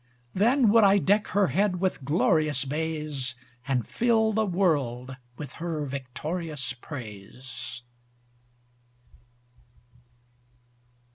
Then would I deck her head with glorious bays, And fill the world with her victorious praise.